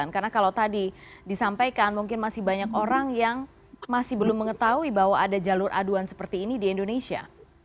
karena kalau tadi disampaikan mungkin masih banyak orang yang masih belum mengetahui bahwa ada jalur aduan seperti ini di indonesia